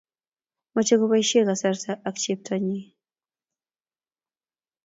mochei koboisie kasarta ak cheptonyin